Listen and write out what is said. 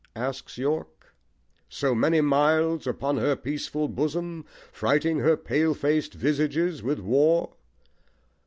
asks York, So many miles upon her peaceful bosom, Frighting her pale fac'd visages with war?